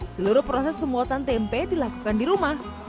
seluruh proses pembuatan tempe dilakukan di rumah